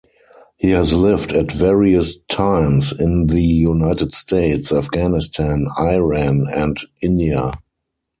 He has lived at various times in the United States, Afghanistan, Iran and India.